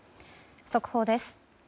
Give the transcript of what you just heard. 速報です。